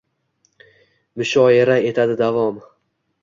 Mushoira etadi davom